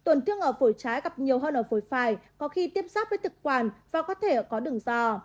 tổn thương ở phổi trái gặp nhiều hơn ở phổi phải có khi tiếp xác với thực quản và có thể có đường dò